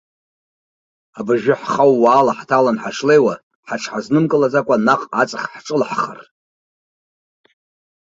Абыржәы ҳхаууала ҳҭалан ҳашлеиуа, ҳаҽҳазнымкылаӡакәа наҟ аҵахь ҳҿылаҳхар.